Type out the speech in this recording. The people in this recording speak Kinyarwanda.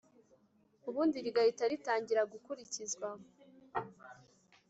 ubundi rigahita ritangira gukurikizwa